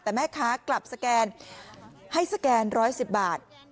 แต่แม่ค้ากลับสแกนให้สแกน๑๑๐บาท